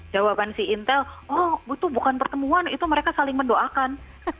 jawaban si intel oh butuh bukan pertemuan itu mereka saling mendoakan